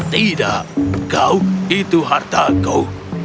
tidak kau itu harta kau